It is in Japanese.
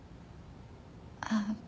あっ。